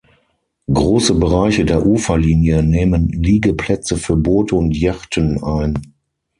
Große Bereiche der Uferlinie nehmen Liegeplätze für Boote und Yachten ein.